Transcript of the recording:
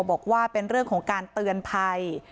บอกว่าเป็นเรื่องของการเตือนภัย